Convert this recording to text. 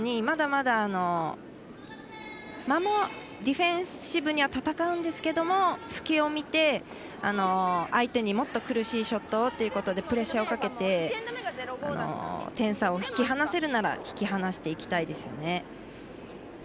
まだまだディフェンシブには戦うんですけども、隙を見て相手にもっと苦しいショットをということでプレッシャーをかけて点差を引き離せるなら引き離していきたいですよね。